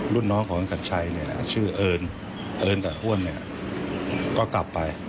รุ่นน้องของขันต์ชัยชื่อเอิญเอิญกับห้วนก็กลับไป